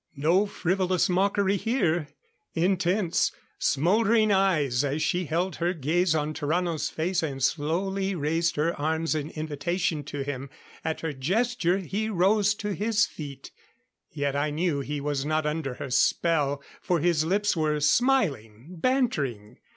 No frivolous mockery here. Intense, smouldering eyes as she held her gaze on Tarrano's face and slowly raised her arms in invitation to him. At her gesture, he rose to his feet. Yet I knew he was not under her spell, for his lips were smiling, bantering.